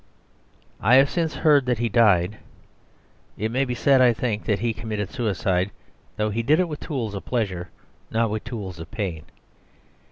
I have since heard that he died: it may be said, I think, that he committed suicide; though he did it with tools of pleasure, not with tools of pain.